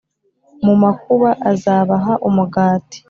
Mu makuba, azabaha umugati;